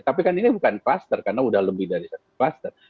tapi kan ini bukan cluster karena udah lebih dari satu cluster